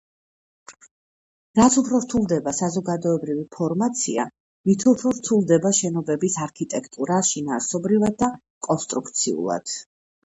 რაც უფრო რთულდება საზოგადოებრივი ფორმაცია, მით უფრო რთულდება შენობების არქიტექტურა შინაარსობრივად და კონსტრუქციულად.